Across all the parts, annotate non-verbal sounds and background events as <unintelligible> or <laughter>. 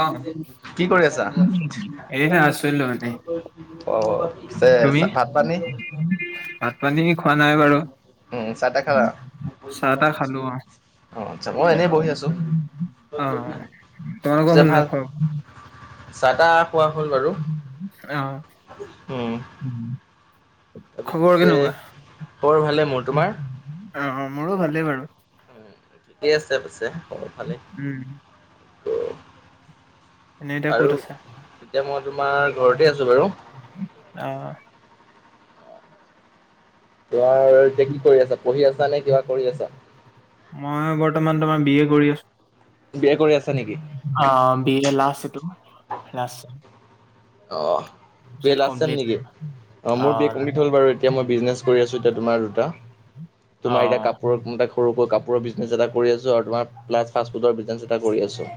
অ কি কৰি আছা? এয়া আছিলো এনেই অ' পিছে তুমি ভাত পানী? ভাত পানী খোৱা নাই বাৰু উম, চাহ তাহ খালা? চাহ তাহ খালোঁ, অ'। অ', আচ্ছা মই এনেই বহি আছোঁ। অ', তোমালোকৰ পিছে হলনে ভাল খোৱা? চাহ তাহ খোৱা হ'ল বাৰু। অ'। উম। উম। তাৰপিছত পিছে খবৰ ভালে মোৰ, তোমাৰ? অ', অ', মোৰো ভালেই বাৰু। উম, ঠিকেই আছে পিছে খবৰ ভালে। উম এনে এতিয়া ক'ত আৰু আছা এতিয়া মই তোমাৰ ঘৰতে আছো বাৰু। অ'। তোমাৰ এতিয়া কি কৰি আছা, পঢ়ি আছা নে কিবা কৰি আছা? মই বৰ্তমান তোমাৰ বি এ কৰি আছো। বি এ কৰি আছা নেকি? অ', বি এ লাষ্ট এইটো লাষ্ট। অ', বি এ পিছত লাষ্ট চেম কমপ্লিট নেকি, অ' মোৰ বি এ কমপ্লিট হ'ল বাৰু এ এতিয়া মই বিজনেছ কৰি আছো এতিয়া তোমাৰ দুটা, অ তোমাৰ এতিয়া কাপোৰৰ সৰুকৈ কাপোৰৰ বিজনেছ এটা কৰি আছোঁ, আৰু তোমাৰ প্লাছ ফাষ্টফুডৰ বিজনেছ এটা কৰি আছোঁ।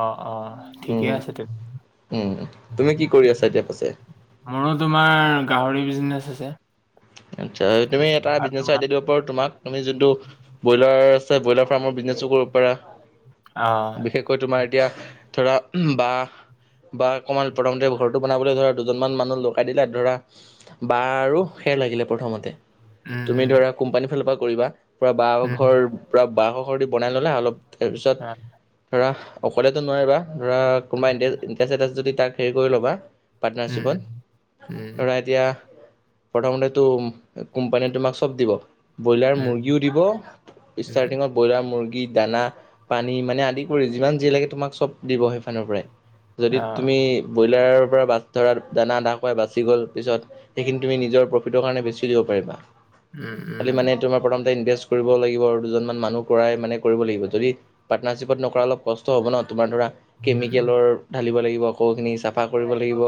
অ', অ', ঠিকেই আছে তেন উম, তুমি কি কৰি আছা এতিয়া পিছে? মোৰো তোমাৰ গাহৰি বিজনেচ আছে। আচ্ছা, তুমি এটা আৰু বিজনেছৰ তোমাৰ আইডিয়া দিব তোমাক তুমি যোনটো ব্ৰইলাৰ আছে, ব্ৰইলাৰ ফাৰ্মৰ বিজনেচো কৰিব পাৰা। অ'। <unintelligible> তোমাৰ এতিয়া ধৰা বা বা অকণমান প্ৰথমতে ঘৰটো বনাবলৈ ধৰা দুজনমান মানুহ লগাই দিলে, ধৰা বা আৰু ফেৰ লাগিলে প্ৰথমতে, তুমি উম ধৰা কোম্পানীৰ ফালৰ পৰা কৰিবা পুৰা বা উম ঘৰ পূৰা বাঁহ <unintelligible> বনাই ল'লা, অলপ তাৰপিছত উম ধৰা অকলেতো নোৱাৰিবা। ধৰা কোনবা এন যদি তাক হেৰি কৰি ল'বা উম পাৰ্টনাৰশ্বিপত, উম উম ধৰা এতিয়া প্ৰথমতেতো কোম্পানীয়ে তোমাক চব দিব। ব্ৰইলাৰ উম মুৰ্গীও দিব, উম ষ্টাৰ্টিঙত ব্ৰইলাৰ মুৰ্গী, দানা পানী মানে আদি কৰি, যিমান যি লাগে তোমাক চব দিব সেইফানৰ পৰাই। যদি অ তুমি ব্ৰইলাৰৰ পৰা বাছ ধৰা দানা আদা কৰাই বাচি গ'ল, পিছত সেইখিনি তুমি নিজৰ প্ৰফিটৰ কাৰণে বেচি দিব পাৰিবা। উম, খালি উম। মানে তোমাৰ প্ৰথমতে ইনভেষ্ট কৰিব লাগিব, আৰু দুজনমান মানুহ কৰাই মানে কৰিব লাগিব যদি পাৰ্টনাৰশ্বিপত নকৰা অলপ কষ্ট কষ্ট হ'ব নহ, তোমাৰ ধৰা উম, কেমিকেলৰ ঢালিব লাগিব আকৌ এইখিনি চাফা কৰিব লাগিব।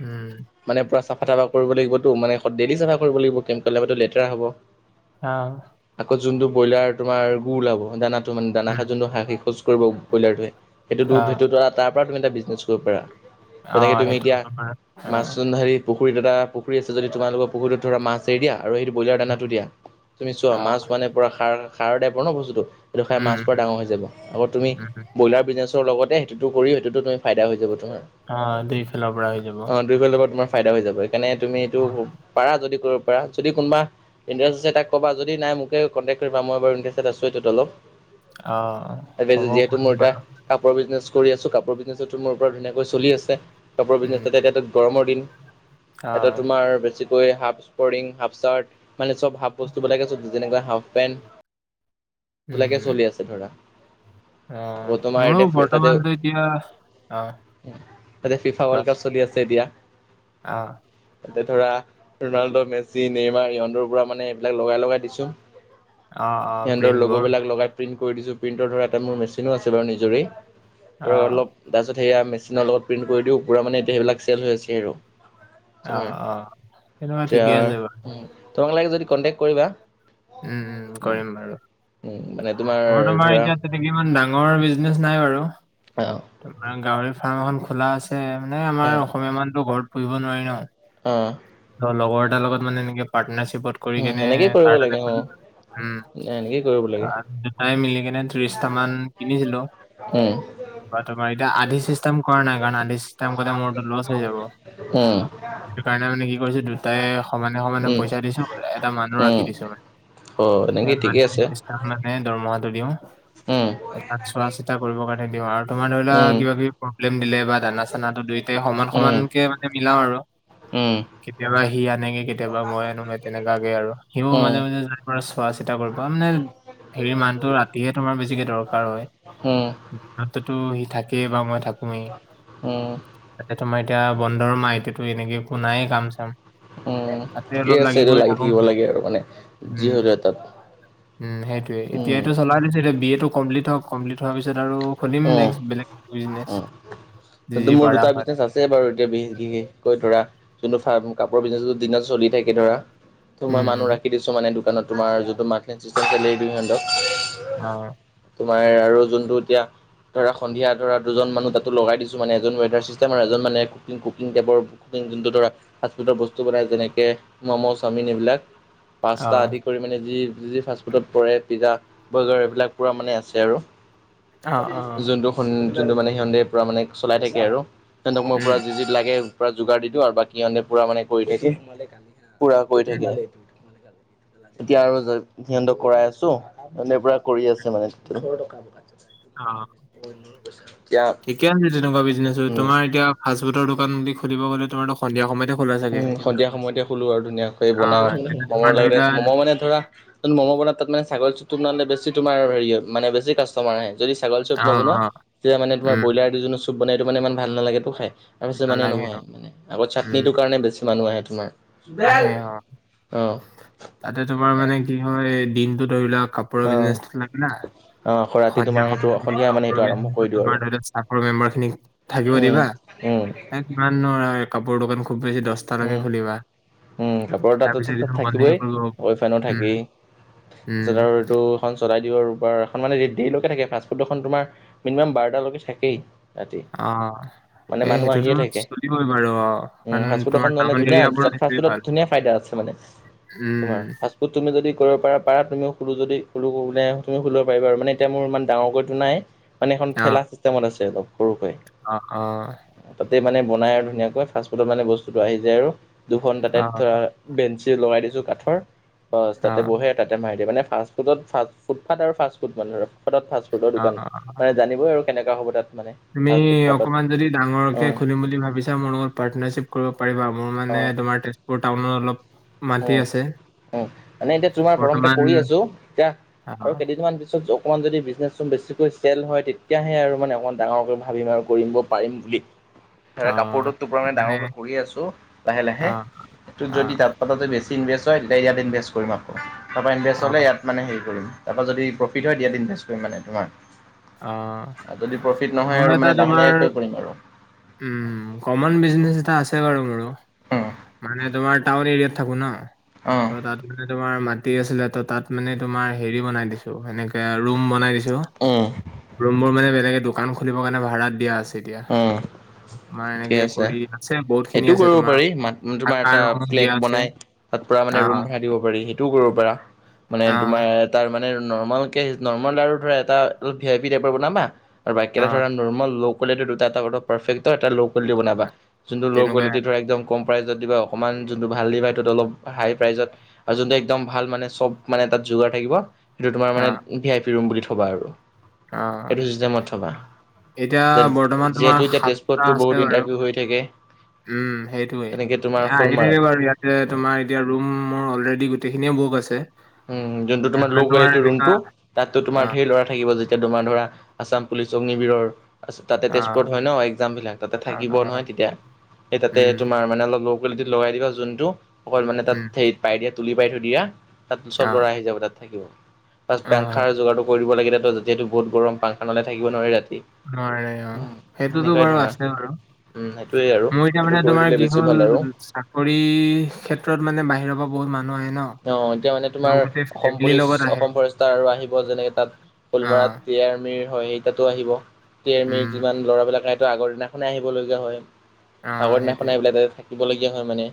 উম। মানে পুৰা চফা তাফা কৰিব লাগিবতো, মানে ডেইলি চাফা কৰিব লাগিব <unintelligible> লেতেৰা হ'ব। অ'। আকৌ যোনটো ব্ৰইলাৰ তোমাৰ গু ওলাব, দানাটো মানে দানা উম। খাই যোনটো শৌচ কৰিব ব্ৰইলাৰটোৱে, সেইটোতো অ', সেইটো তাৰ পৰা তুমি এটা বিজনেছ কৰিব পাৰা। অ', তেনেকে তুমি সেইটো এতিয়া, হ'ব পাৰে। মাছ অ', <unintelligible> পুখুৰিত এটা, পুখুৰি আছে যদি তোমালোকৰ পুখুৰীত ধৰা মাছ এৰি দিয়া। আৰু সেইটো ব্ৰইলাৰ দানাটো দিয়া, তুমি চোৱা অ'। মাছ মানে পৰা সাৰ সাৰ দাই পৰা ন বস্তুটো। সেইটো খাই মাছ উম, পুৰা ডাঙৰ হৈ যাব, আকৌ তুমি উম, উম। ব্ৰইলাৰ বিজনেছ লগতে সেইটোতো কৰিও, সেইটোতো তুমি ফাইদ হৈ যাব তোমাৰ। অ', <unintelligible> হৈ যাব। দুয়ো ফালৰ পৰা তোমাৰ ফাইদা হৈ যাব, সেইকাৰে তুমি এইটো পাৰা যদি কৰিব পাৰা। যদি কোনবা ইণ্টাৰেষ্ট আছে তাক কবা, যদি নাই মোকে কণ্টেক্ট কৰিবা, মই বাৰু ইাৰে <unintelligible> এটাত অলপ অ', হ'ব যিহেতু বুজি মোৰ এতিয়া পালো বাৰু। কাপোৰৰ বিজনেছ কৰি আছোঁ, কাপোৰৰ বিজনেছ তোমোৰ পৰা ধুনীয়াকৈ চলি আছে, কাপোৰৰ বিজনেছ উম, এাতিয়া তাতে গৰমৰ দিন। এটা অ'। তোমাৰ বেছিকৈ, হাফ, হাফ চাৰ্ট, মানে চব হাফ বস্তুবলাকে, চব যেনেক হাফ পেন্ট। বিলাকে উম। চলি আছে ধৰা। আকৌ অ', তোমাৰ ময়ো এতিয়া তাতে বৰ্তমানটো এতিয়া, অ' তাতে ফিফা কোৱা? ৱৰ্ল্ড কাপ চলি আছে এতিয়া। অ'। তাতে ধৰা, ৰ'নাল্ডো, মেচি, নেইমাৰ সিহঁতৰ পৰা মানে এইবিলাক লগাই লগাই দিছোঁ। অ', অ', সিহঁতৰ ল'গ' প্ৰিন্টবোৰ বিলাক লগাই প্ৰিণ্ট কৰি দিছোঁ, প্ৰিণ্টৰ ধৰা এটা মোৰ মেচিনো আছে বাৰু নিজৰেই, ধৰা অ', অলপ তাৰ পিছত সেয়া মেচিনৰ লগত প্ৰিণ্ট কৰি দিওঁ, পূৰা মানে এতিয়া সেইবিলাক চেল হৈ আছে আৰু। অ', অ', তেনেকুৱা এতিয়া, ঠিকে আছে বাৰু। তোমাক লাগে যদি কনটেক কৰিবা। উম, উম, মানে তোমাৰ মোৰ ধৰা এতিয়া তেনেকে ইমান ডাঙৰ বিজনেচ নাই বাৰু। অঁ, তোমাৰ গাহৰি ফাৰ্ম এখন খোলা আছে, মানে আমাৰ উম, অসমীয়া মানুহটো ঘৰত পুহিব নোৱাৰি ন'। অ'। ত', লগৰ এটাৰ লগত মানে এনেকে প্টনাৰশ্বিপত উম, এনেকেই কৰিব লাগে অ ', এনেকেই কৰিব লাগে। চাই মিলি সেইকাৰণে ত্ৰিশটামান, কিনিছিলোঁ। উম। বা তোমাৰ এতিয়া, আধি চিষ্টেম কৰা নাই কাৰণ, আধি চিষ্টেম কৰি মোৰটো লছ হৈ যাব। উম। সেইটো কাৰণে মানে কি কৰিছোঁ, দুটাই সমানে সমানে উম, পইচা দিছোঁ, এটা মানুহ উম, ৰাখি দিছোঁ মানে। অ, এনেকেই মান ঠিকেই আছে। মান, দৰমহাটো দিওঁ, উম, তাত চোৱা চিতা কৰিবৰ কাৰণে দিওঁ, আৰু তোমাৰ ধৰি লোৱা উম, কিবা কিবি প্ৰব্লেম দিলে, বা দানা চানাটো দুইটায়ে সমান উম, সমানকে মানে মিলাও আৰু। উম। কেতিয়াবা সি আনেগে, কেতিয়াবা মই আনোগে তেনেকুৱাকে আৰু, সিও উম, মাজে মাজে তাৰ পৰা চোৱা চিতা কৰিব মানে, হেৰি মানুহটো, ৰাতিহে তোমাৰ বেছিকে দৰকাৰ হয়। উম, ৰাতিটো সি থাকেই বা মই থাকোঁ। উম। তোমাৰ এতিয়া, বন্ধৰ মাহটোটো এনেকে একো নাইয়ে কাম চাম। উম, তাতে ঠিকেই অলপ আছে, এইটো কৰি লাগি থাকো থাকিব লাগে আৰু মানে, যি উম হ'লেও এটাত। উম, সেইটোৱে এতিয়া উম, এইটো চলাই দিছোঁ, এতিয়া বি এ টো কমপ্লিট হওঁক। কমপ্লিট হোৱাৰ পিছত আৰু, খোলিম উম, নেক্স বেলেগ এনে। ত মোৰ দুটা বিজনেছ আছে। ছে বাৰু এতিয়া, বিশেষ কৈ ধৰা, যোনটো ফাৰ্, ম কাপোৰৰ বিজনেছটো দিনত চলি থাকে ধৰা। ত', মই উম উম মানুহ ৰাখি দিছোঁ মানে, দোকানত তোমাৰ যোনটো অ'। তোমাৰ আৰু যোনটো এতিয়া, ধৰা সন্ধিয়া ধৰা, দুজন মানুহ তাতো লগাই দিছোঁ। মানে এজন ৱেটাৰ চিষ্টেম আৰু এজন মানে ক কু টেৰ <unintelligible> কুকিং যোনটো ধৰা। ফাষ্ট ফুডৰ বস্তু বনাই, যেনেকে ম'ম' চাওমিন এইবিলাক, অ পাছতা আদি। কৰি মানে, যি, যি ফাষ্টফুডত পৰে পিজ্জা, বাৰ্গাৰ, সেইবিলাক পূৰা মানে আছে আৰু। অ অ যোনটো, যোনটো মানে সিহঁতে পুৰা মানে চলাই থাকে আৰু, সিহঁতক মই উম পুৰা যি, যি লাগে পুৰা যোগাৰ দি দিওঁ, আৰু বাকী সিহঁতে পুৰা মানে কৰি পুৰা কৰি থাকে, উম এতিয়া আৰু সিহঁতক কৰাই আছোঁ পুৰা কৰি আছে মানে। অ', এতিয়া ঠিকে আছে, তেনেকুৱা বিজনেছো। উম তোমাৰ এতিয়া ফাষ্ট ফুডৰ দোকান বুলি খুলিব গ'লে তোমাৰতো সন্ধিয়া সময়তে খোলা চাগে। উম, সন্ধিয়া সময়তে খুলো আৰু ধুনীয়াকৈ অ বনাও, তেতিয়া তোমাৰ ম'ম' ধৰি লাগে লোৱা ম'ম' মানে ধৰা মম' বনাত তাত মানে ছাগলী চুপটো বনালে বেছি তোমাৰ হেৰি হয় মানে কাষ্টমাৰ আহে। যদি ছাগলী চুপ অ নবনোৱা অ তেতিয়া মানে তোমাৰ উম ব্ৰইলাৰ দি জোনে চুপ বনাই সেইটো মানে ইমান ভাল নালাগেতো খাই তাৰপিছত মানে নালাগে নহয় অ মানে, আগত উম চাটনিটোৰ কাৰণে বেছি মানুহ আহে তোমাৰ। আহে অ'। অ', অ'। তাতে তোমাৰ মানে কি হয় দিনটো ধৰি লোৱা কাপোৰৰ অ', বিজনেছত লাগিলা আকৌ ৰাতি তোমাৰ সন্ধিয়া সেইটো সময়ত তুমি সন্ধিয়া মানে সেইটো আৰম্ভ ডক্টৰখিনি কৰি দিওঁ আৰু বা চাকৰ মেম্বাৰখিনিক উম, উম। এই কিমাননো আৰু কাপোৰৰ দোকান খুব বেছি দহটালৈকে উম। খুলিবা। উম, কাপোৰৰ তাঁততো তাৰপিছত তাত এইটো বন্ধহে থাকিবই, কৰিব অলফোনো উম থাকেই। উম পিছত আৰু এইটো এখন চলাই দিওঁ আৰু, এখন মানে দেৰিলৈকে থাকে, ফাষ্টফুড এখন তোমাৰ মিনিমাম বাৰটালৈকে থাকেই। ৰাতি অ' মানে সেই মানুহ সেইটোতো চলিবই বাৰু, অ' কাৰণ ফুড এখন তোমাৰ ললে টাউন ধুনীয়া, এৰিয়াবোৰত তাত সেইটোৱে ফাফুডত ভাল। ধুনীয়া ফাইদা আছে তোমাৰ, উম, ফাচ তুমি যদি কৰিব পাৰ পাৰ তুমি খোলো যদি খোঁ বোলে তুমি খুলিব পাৰিবা আৰু মানে এতিয়া মোৰ ইমান ডাঙৰতো নাই মানে এখন অ', ঠেলা চিষ্টেমত আছে অলপ সৰুকে। অ', অ'। তাতে মানে বনাই আৰু ধুনীয়াকৈ ফাষ্টফুডত মানে বস্তুটো আহি যায় আৰু দুখন তাতে অ', ধৰা বেঞ্চি লগাই দিছোঁ কাঠৰ বছ তাতে অ', বহে। তাতে মাৰি দিয়ে, মানে ফাষ্ট ফুড, ফাষ্ট ফুডফথ আৰু ফাষ্টফুড মানে আৰু ফুডত ফাষ্ট ফুডৰ অ', দোকান, অ'। মানে জানিবই আৰু কেনেকা হ'ব তাত মানে। তুমি ফাষ্ট ফুটপাথত অকমান যদি ডাঙৰকে উম খুলিম বুলি ভাবিছা মোৰ লগৰ পাৰ্টনাৰশ্বিপ কৰিব পাৰিবা, মোৰ মানে তোমাৰ তেজপুৰ টাউনত অলপ মাটি অ', আছে। অ' মানে এতিয়া তোমাৰ প্ৰথমতে বৰ্তমান কৰি আছোঁ এতিয়া আৰু অ', কেইদিনমান পিছত যক অকণমান যদি বিজনেছটো বেছিকৈ চেল হয় তেতিয়াহে আৰু মানে অকণমান ডাঙৰকৈ ভাবিম আৰু কৰিব পাৰিম বুলি। ধৰা কাপোৰটোত টোপ মানে ডাঙৰকৈ কৰি আছোঁ লাহে লাহে অ', যদি অ', তাত তাত যদি বেছি ইনভেষ্ট হয়, তেতিয়া ইয়াত ইনভেষ্ট কৰিম আকৌ তাৰপা ইনভেষ্ট হ'লে অ', ইয়াত মানে হেৰি কৰিম। তাৰপৰা যদি প্ৰফিট হয়, ইয়াত ইনভেষ্ট কৰিম মানে তোমাৰ। অ', আৰ যদি প্ৰফিট মোৰ নহয় আৰু এটা মানে লাহে তোমাৰ লাহেকে কৰিম আৰু। উম, কমন বিজনেচ এটা আছে বাৰু মোৰো। উম মানে তোমাৰ টাউন এৰিয়াত থাকোঁ ন'। অ'। ত' তাত মানে তোমাৰ মাটি আছিলে ত' তাত মানে তোমাৰ হেৰি বনাই দিছোঁ সেনেকে ৰুম বনাই দিছোঁ। উম। ৰুমবোৰ মানে বেলেগে দোকান খুলিবৰ কাৰণে ভাড়াত দিয়া আছে এতিয়া। উম তোমাৰ ঠিকে এনেকে আছে কৰি, আছে সেইটোও বহুতখিনি আছে, কৰিব তোমাৰ পাৰি ম তোমাৰ এটা থাকাৰ ৰুম ফ্লেগ দিয়া বনাই আছে। তাত পুৰা মানে ৰুম অ', ভাড়াই দিব পাৰি সেইটোও কৰিব পাৰা মানে অ', তোমাৰ তাৰমানে নৰ্মলকে নৰ্মল লাৰু ধৰা এটা অলপ ভি আই পি টাইপৰ বনাবা আৰু বাকিকেইটা অ', ধৰা নৰ্মেল ল' কলেটিৰ দুটাটা এটা ল' বনাবা, যোনটো ল' তেনেকুৱাই কোলেটি একদম কম প্ৰাইজত দিবা, অকণমান যোনটো ভাল দিবা সেইটো অলপ হাই প্ৰাইজত আৰু যোনটো একদম ভাল মানে চব মানে তাত যোগাৰ থাকিব সেইটো তোমাৰ মানে অ', ভি আই পি ৰুম বুলি থ'বা আৰু অ', সেইটো চিষ্টেমত থ'বা। এতিয়া বৰ্তমান তোমাৰ যিহেতু এতিয়া সাতটা তেজপুৰততো বহুত আছে বাৰু। ইণ্টাৰভিউ হৈ থাকে উম, সেইটোয়ে। তেনেকে এ, তোমাৰ আহি থাকে শ'লমাৰত বাৰু ইয়াতে তোমাৰ এতিয়া ৰুম মোৰ অলৰেডি গোটেইখিনিয়ে বুক আছে। উম, যোনটো ইয়াত তোমাৰ ল' মানে কোৱালিটিৰ এনেকা ৰুমটো তাততো তোমাৰ অ', ঢেৰ ল'ৰা থাকিব যেতিয়া তোমাৰ ধৰা আছাম পুলিচ, অগ্নিবিৰৰ আছ তাতে অ', তেজপুৰত হয় ন' এক্জামবিলাক, তাতে অ', থাকিব অ', নহয় তেতিয়া এই তাতে উম, তোমাৰ মানে অলপ ল' কোৱালিটিত লগাই দিবা, যোনটো অকল মানে উম, তাত হেইত পাই দিয়া, তুলি পাই থৈ দিয়া তাত চব অ', লৰা আহি যাব তাত থাকিব, <unintelligible> অ', পাংখাৰ যোগাৰটো কৰিব লাগেতো যেতিয়াতো বহুত গৰম পাংখা নহলে থাকিব নোৱাৰে ৰাতি। <unintelligible> অ' সেইটোতো সেনেকুৱাই বাৰু ধৰা আছে বাৰু। উম, সেইটোৱেই আৰু মোৰ এতিয়া সেইটো মানে কৰি তোমাৰ দিলে কি বেছি হ'ল ভাল আৰু। চাকৰি ক্ষেত্ৰত মানে বাহিৰৰ পৰা বহুত মানুহ আহে নহ। অ', এতিয়া মানে তোমাৰ অসম পুলিচ, আহে। অসম ফৰেষ্টৰ আৰু আহিব যেনেকে তাত অ, ফুলমৰাত <unintelligible> হয় <unintelligible> তাতো আহিব, <unintelligible> উম, যিমান ল'ৰাবিলাকেতো আগৰ দিনাখনেই আহিবলগীয়া হয়। অ, আগৰ দিনাখন সেইটোৱে। আহ পেলাই তাতে থাকিবলগীয়া হয় মানে,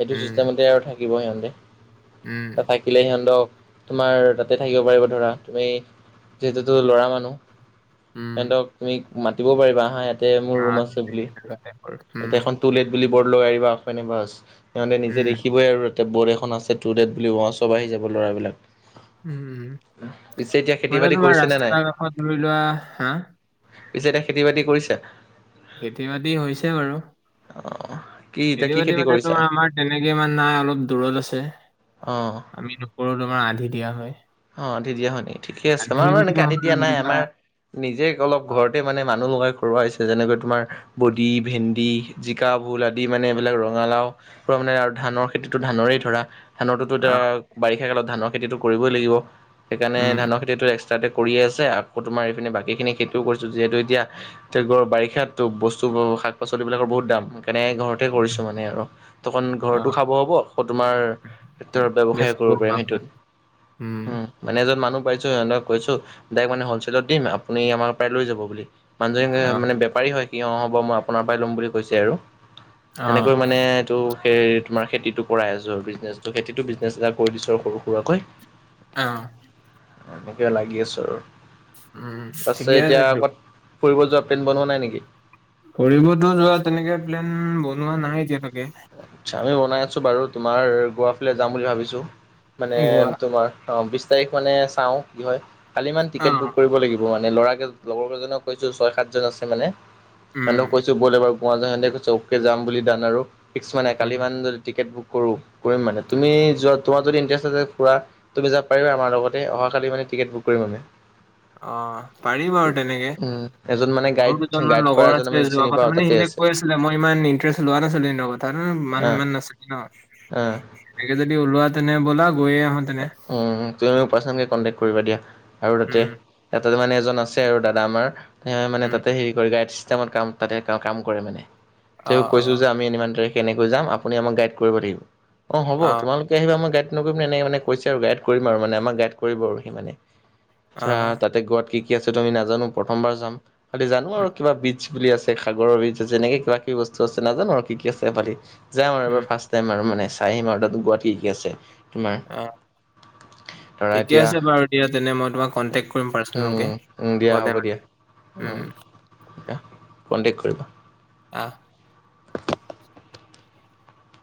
সেইটো উম, চিষ্টেমতে আৰু থাকিব সিহঁতে। উম, ত থাক দিলে সিহঁনতক, তোমাৰ তাতে থাকিব পাৰিব ধৰা তুমি যিহেতুতো ল'ৰা মানুহ। উম, সিহনতক তুমি মাতিবও পাৰিবা, আহা ইয়াতে মোৰ অ, ৰুম আছে সেইটোৱে বুলি। তেনেকুৱা টাইপৰ। উম, তাতে এখন টুলেট বুলি বৰ্ড লৈ আহিবা, সিহঁতে নিজে উম, দেখিবই আৰু তাতে বৰ্ড এখন আছে। ষ্টুডেট বুলি কোৱা চব আহি যাব ল'ৰাবিলাক। উম, পিছে এতিয়া খেতি মানে বাতি তোমাৰ কৰিছে নে নাই? ৰাস্তা কাষত ধৰি লোৱা হা? পিছে এতিয়া খেতি বাতি কৰিছা? খেতি বাতি হৈছে বাৰু, অ কি এতিয়া কি খেতি বাতি মানে কৰিছা? তোমাৰ আমাৰ তেনেকে ইমান নাই, অলপ দূৰত আছে। অ'। আমি <unintelligible> তোমাৰ আধি দিয়া হয়। অ', আধি দিয়া হয় নেকি, ঠিকে আছে আধি মই বাৰু বুলি এনেকে আধি নহয় দিয়া আৰু নাই ধৰি লোৱা আমাৰ নিজে অলপ ঘৰতে মানে মানুহ লগাই <unintelligible> হৈছে যেনেকৈ তোমাৰ বডি, ভেন্দি জিকা, ভোল, আদি মানে এইবিলাক ৰঙালাও পৰা মানে আৰু ধানৰ খেতিতো ধানৰেই ধৰা। ধানৰটোতো এতিয়া, অ, বাৰিষা কালত ধানৰ খেতিটো কৰিবই লাগিব। সেইকাৰণে উম, ধানৰ খেতিটো এক্সট্ৰা কৰিয়ে আছে, আকৌ তোমাৰ এইপিনে বাকী খিনি খেতিও কৰিছো যিহেতু এতিয়া তে বাৰিষাতো বস্তু শাক-পাচলিৰ বিলাকৰ বহুত দাম, সেইকাৰনে ঘৰত কৰিছো মানে আৰু, ত' অ, ঘৰতো খাব হ'ব আকৌ তোমাৰ উম, টেক্টৰৰ ব্যৱসায়ো বেচিব কৰিব পৰা পাৰিম হয়। সেইটোত। উম। মানে এজন মানুহ পাইছো সিহঁতক কৈছো, মানে হলচেলত দিম আপুনি আমাৰ পৰা লৈ যাব বুলি। মানুহজনী অ। মানে বেপাৰী হয় কি, অ' হ'ব মই আপোনাৰ পৰাই লম বুলি কৈছে আৰু। সেনেকৈ অ', মানে ত' সেই তোমাৰ খেতিটো কৰাই আছো, বিজনেচো খেতিতো বিজনেচ এটা কৰি দিছো আৰু সৰু সুৰাকৈ। অ'। এনেকে লাগি আছো আৰু, উম, ঠিকে তাৰছত আছে এতিয়া এইটো। আত ফুৰিব যোৱা প্লেন বনোৱা নাই নেকি? ফুৰিবতো যোৱা তেনেকে প্লেন বনোৱা নাই এতিয়ালৈকে। আচ্ছা, আমি বনাই আছোঁ বাৰু। তোমাৰ গোৱাফালে যাম বুলি ভাবিছোঁ, মানে গোৱা তোমাৰ অ', বিশ তাৰিখ মানে চাও কি হয় কালি ইমান টিকেট বুক অ', কৰিব লাগিব মানে ল'ৰাকে লগৰ কেইজনক কৈছো, ছয় সাতজন আছে মানে উম, সিহঁতক কৈছো। টো বল এবাৰ গোৱা যাও সিহঁনতে কৈছে অকে যাম বুলি ডান আৰু, ফিক্স মানে কালি উম, মান যদি টিকেট বুক কৰো কৰিম মানে, তুমি যোৱা তোমাৰ যদি ইণ্টাৰেষ্ট আছে ফুৰা তুমি যাব পাৰিবা আমাৰ লগতে, অহা কালি মানে টিকেট বুক কৰিম মানে। অ', পাৰি বাৰু তেনেকে, উম এজন মানে গাইড মোৰ দুজনমান গাইড কৰা লগৰ এজন আমি আছে যোৱা চিনি কথা পাওঁ মানে তাতে সিহঁনতে কৈ আছে। আ মই ইমান ইন্টাৰেষ্ট লোৱা নাছিলো ইহঁনতৰ কথা, অ মানুহ ইমান নাছিলি অ নহ। ঠিকে যদি ওলোৱা তেনে ব'লা গৈয়ে আহো তেনে। তুমি মোৰ পাৰ্চনকে কণ্টেক্ট কৰিবা দিয়া, আৰু তাতে উম, তাতে মানে এজন আছে আৰু দাদা আমাৰ, সেই মানে উম, তাতে হেৰি কৰে গাইড ছিষ্টেমত কাম তাতে কাম কৰে মানে, তেওঁ অ', কৈছো অ', যে আমি ইমান তাৰিখ কেনেকৈ যাম আপুনি আমাক গাইড কৰিব লাগিব, অ' হ'ব তোমালোকে আহিবা মই গাইড নকৰিম নে এনেকে মানে কৈছে আৰু গাইড কৰিম আৰু মানে আমাক গাইড কৰিব, আৰু সি মানে ধৰা অ', তাতে ক'ত কি ঠিক আছে, ত' আমি নাজানো প্ৰথমবাৰ যাম। তাতে জানো উম, আৰু কিবা বীটছ বুলি আছে, সাগৰৰ বীটছ আছে, এনেকে কিবা কিবি বস্তু আছে নাজানো আৰু কি কি আছে বালিত। যাম আৰু উম, এবাৰ ফাৰ্ষ্ট টাইম আৰু মানে চাই আহিম আৰু তাত গোৱাত কি কি আছে তোমাৰ। অ'। <inaudible> ঠিকে আছে বাৰু দিয়া তেনে মই তোমাক কণ্টেক্ট কৰিম পাৰ্চনেলকে, উম উম গ'লে মানে। উম। অহ, কনটেক্ট কৰিবা। অ'।